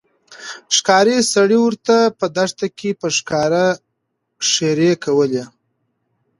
ښکارې سړي ورته په دښته کښي په ښکاره ښيرې کولې